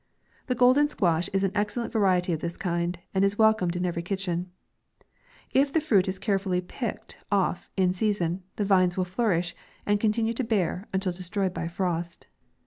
The golden squash is an excellent variety of this kind, and is welcomed in every kitch en. If the fruit is carefully picked offin sea son, the vines will flourish, and continue to bear, until destroyed by frost.